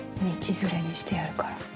道連れにしてやるから。